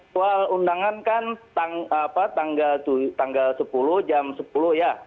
soal undangan kan tanggal sepuluh jam sepuluh ya